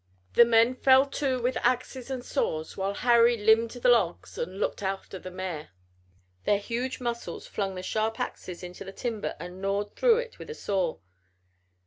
The men fell to with axes and saws while Harry limbed the logs and looked after the Mayor. Their huge muscles flung the sharp axes into the timber and gnawed through it with a saw.